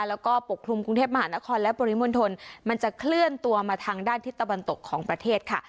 แล้วก็ปกคลุมกรุงเทพมหานครและปริมณฑลมันจะเคลื่อนตัวมาทางด้านทิศตะวันตกของประเทศค่ะ